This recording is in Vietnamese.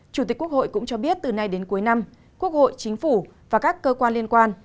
chủ tịch quốc hội cũng cho biết từ nay đến cuối năm quốc hội chính phủ và các cơ quan liên quan